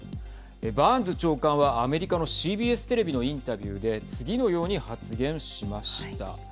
バーンズ長官は、アメリカのＣＢＳテレビのインタビューで次のように発言しました。